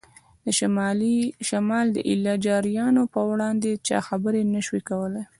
د شمال د ایله جاریانو په وړاندې چا خبرې نه شوای کولای.